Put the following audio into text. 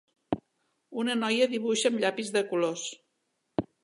Una noia dibuixa amb llapis de colors.